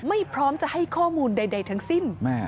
ไม่พร้อมจะให้ข้อมูลใดทั้งสิ้น